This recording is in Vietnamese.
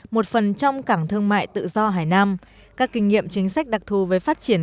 một phần trong cảng thương mại tự do hải nam các kinh nghiệm chính sách đặc thù với phát triển